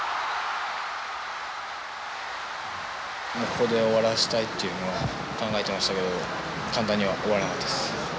ここで終わらせたいっていうのは考えてましたけど簡単には終わらなかったです。